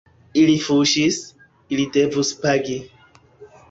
Ili fuŝis, ili devus pagi.